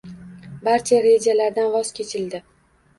Barcha rejalaridan voz kechildi.